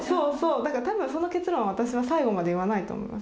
だから多分その結論を私は最後まで言わないと思います。